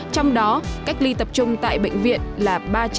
trong đó cách ly tập trung tại bệnh viện là ba